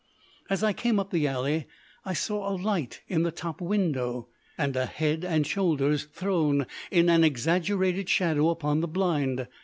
As I came up the alley I saw a light in the top window, and a head and shoulders thrown in an exaggerated shadow upon the blind.